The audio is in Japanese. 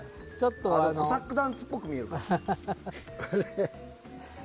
コサックダンスっぽく見える。